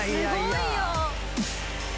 すごいよ。